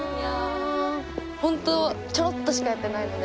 ホントちょろっとしかやってないので。